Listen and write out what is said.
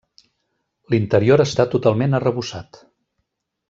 L'interior està totalment arrebossat.